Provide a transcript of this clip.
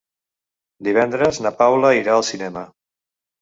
Divendres na Paula irà al cinema.